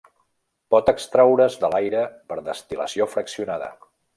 Pot extraure's de l'aire per destil·lació fraccionada.